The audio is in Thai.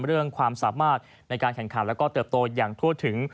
เรื่องความสามารถในการแข่งขันแล้วก็เติบโตอย่างทั่วถึง